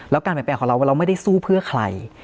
แล้วการเปลี่ยนแปลงของเราว่าเราไม่ได้สู้เพื่อใคร